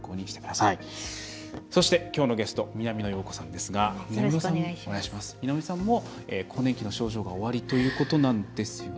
さて、きょうのゲスト南野陽子さんですが、南野さんも更年期の症状がおありということなんですよね。